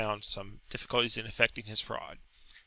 47]found some difficulties in effecting his fraud.